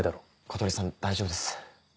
小鳥さん大丈夫です。